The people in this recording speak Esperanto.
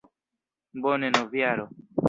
Bone, novjaro!